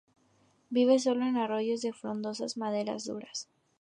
Vive solo en arroyos de frondosas maderas duras.